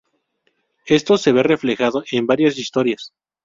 Esto se ve reflejado en varias historias.